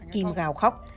kim gào khóc